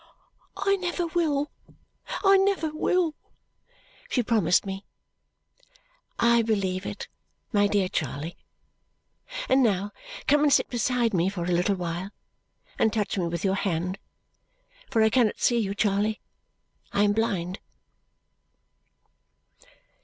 "I never will! I never will!" she promised me. "I believe it, my dear Charley. And now come and sit beside me for a little while, and touch me with your hand. For I cannot see you, Charley; I am blind."